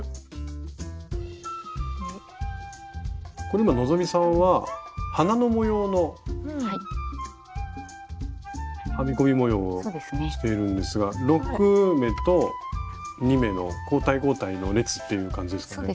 これ今希さんは花の模様の編み込み模様をしているんですが６目と２目の交代交代の列っていう感じですかね。